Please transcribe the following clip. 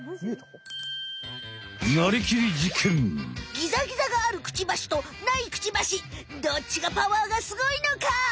ギザギザがあるクチバシとないクチバシどっちがパワーがすごいのか？